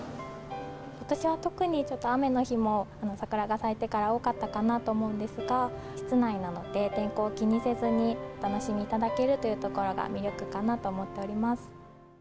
ことしは特にちょっと雨の日も、桜が咲いてから多かったかなと思うんですが、室内なので、天候を気にせずに、お楽しみいただけるというところが魅力かなと思っております。